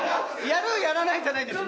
やるやらないじゃないんです。